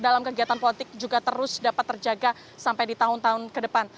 dalam kegiatan politik juga terus dapat terjaga sampai di tahun tahun ke depan